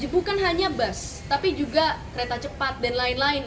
bukan hanya bus tapi juga kereta cepat dan lain lain